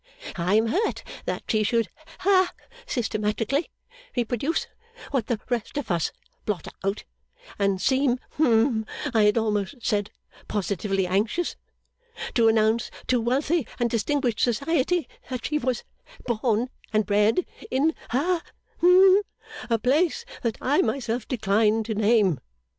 I am hurt that she should ha systematically reproduce what the rest of us blot out; and seem hum I had almost said positively anxious to announce to wealthy and distinguished society that she was born and bred in ha hum a place that I myself decline to name.